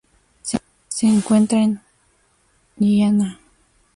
Se encuentra en Ghana.